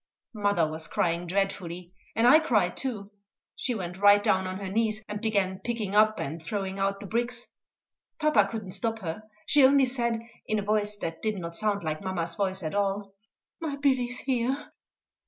Mother was crying dreadfully, and I cried too. She went right down on her knees, and began picking up and throwing out the bricks. Papa could not stop her; she only said, in a voice that did not sound like mamma's voice at all, "My Billy's here."